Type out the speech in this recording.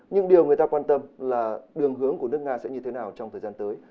nhưng điều người ta quan tâm là đường hướng của nước nga sẽ như thế nào trong thời gian tới